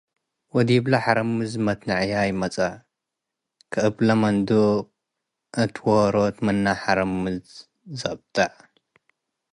ወዲብ ለሐረም'ዝ መትንዕያይ መጽአ ከእብ ለመንዱቅ እት ዎሮት ምን ለሐረም'ዝ ዘብጠ።